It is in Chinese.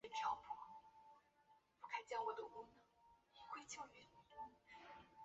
来自欧洲的移民潮亦达到高峰。